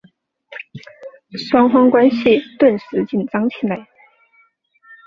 双方关系顿时紧张起来。